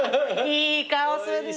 いい顔すんね。